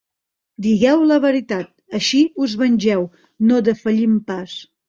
Digueu la veritat. Així us vengeu. No defallim pas.